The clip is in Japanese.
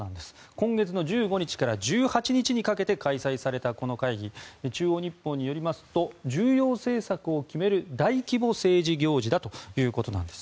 今月１５日から１８日にかけて開催されたこの会議ですが中央日報によると重要政策を決める大規模政治行事だということです。